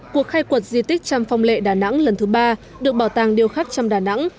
cuộc khai quật di tích trăm phong lệ đà nẵng lần thứ ba được bảo tàng điêu khắc trăm đà nẵng